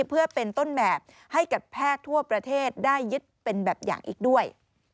เพื่อเป็นต้นแบบให้กับแพทย์ทั่วประเทศได้ยึดเป็นแบบอย่างอีกด้วย